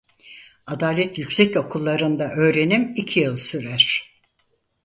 Adalet Yüksek Okulları'nda öğrenim iki yıl sürer.